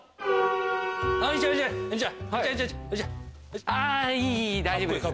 あいい大丈夫です。